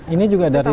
ini juga dari